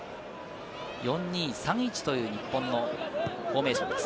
４−２−３−１という日本のフォーメーションです。